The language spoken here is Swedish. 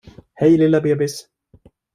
Hej, lilla bebis!